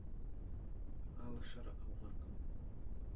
Алашара аумыркын.